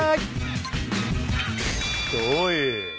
おい。